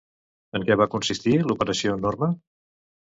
En què va consistir l'Operació Norma?